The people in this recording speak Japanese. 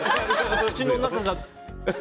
口の中が。